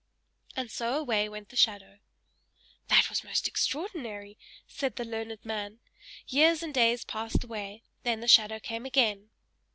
And so away went the shadow. "That was most extraordinary!" said the learned man. Years and days passed away, then the shadow came again.